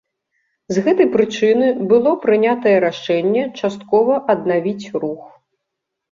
З гэтай прычыны было прынятае рашэнне часткова аднавіць рух.